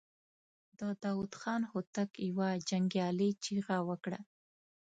د داوود خان هوتک يوه جنګيالې چيغه کړه.